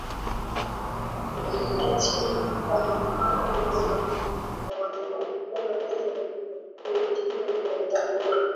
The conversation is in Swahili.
uwindaji haramu wa wanyamapori hautakiwi nchini tanzania